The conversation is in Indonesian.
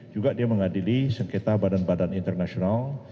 juga dia mengadili sengketa badan badan internasional